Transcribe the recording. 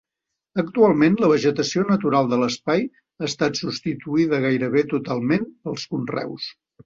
Actualment la vegetació natural de l'espai ha estat substituïda gairebé totalment pels conreus.